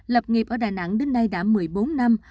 lập nghiệp ở đà nẵng đến nay đã một mươi bốn năm